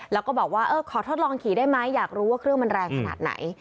แล้วก็บอกว่าเออขอทดลองขี่ได้ไหมอยากรู้ว่าเครื่องมันแรงขนาดไหน